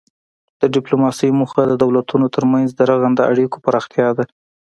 د ډیپلوماسي موخه د دولتونو ترمنځ د رغنده اړیکو پراختیا ده